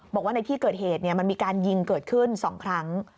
บอกว่าในที่เกิดเหตุมันมีการยิงเกิดขึ้น๒ครั้ง